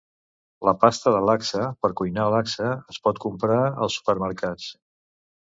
La pasta de Laksa per cuinar laksa es pot comprar als supermercats.